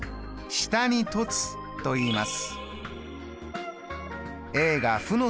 上に凸といいます。